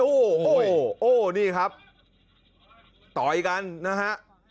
โอ้โหโอ้นี่ครับต่อยกันนะฮะ